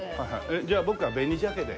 じゃあ僕は紅鮭で。